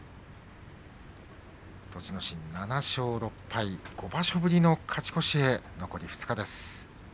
栃ノ心７勝６敗５場所ぶりの勝ち越しへ残り２日です。